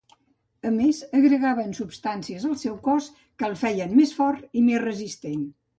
A més agregaven substàncies al seu cos que el feien més fort i més resistent.